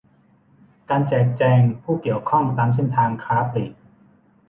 การแจกแจงผู้เกี่ยวข้องตามเส้นทางค้าปลีก